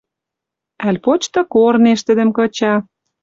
Ӓль почта корнеш тӹдӹм кыча.